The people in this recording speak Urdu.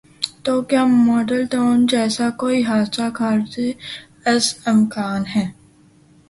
تو کیا ماڈل ٹاؤن جیسا کوئی حادثہ خارج از امکان ہے؟